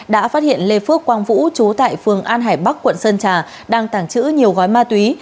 đã phát hiện lê phước quang vũ chú tại phường an hải bắc quận sơn trà đang tàng trữ nhiều gói ma túy